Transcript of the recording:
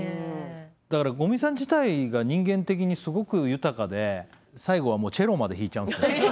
だから五味さん自体が人間的にすごく豊かで最後はもうチェロまで弾いちゃうんですね。